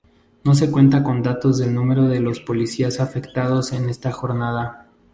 No se cuenta con datos del número de los policías afectados en esta jornada.